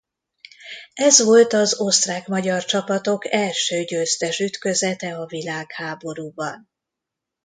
Ez volt az osztrák–magyar csapatok első győztes ütközete a világháborúban.